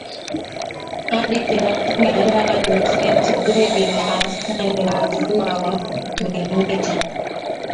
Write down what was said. hadi thelathini na tatu sentigredi na wastani wa mvua wa mililita